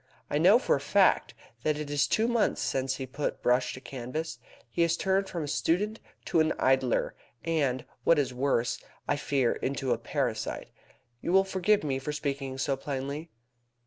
I know for a fact that it is two months since he put brush to canvas. He has turned from a student into an idler, and, what is worse, I fear into a parasite. You will forgive me for speaking so plainly?"